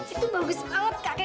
itu bagus banget kak